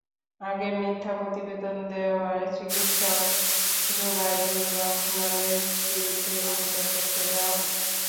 আগে মিথ্যা প্রতিবেদন দেওয়ায় চিকিৎসক জোবায়দুর রহমানের বিরুদ্ধেও অভিযোগপত্র দেওয়া হয়।